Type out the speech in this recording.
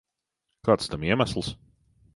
Kāds tam iemesls?